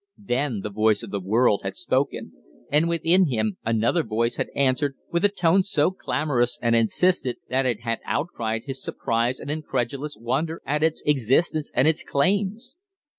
Then the voice of the world had spoken, and within him another voice had answered, with a tone so clamorous and insistent that it had outcried his surprised and incredulous wonder at its existence and its claims.